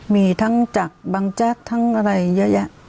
มีทั้งจากบังแจ๊กทั้งอะไรเยอะแยะ